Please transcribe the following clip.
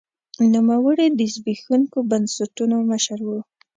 نوموړي د زبېښونکو بنسټونو مشر و.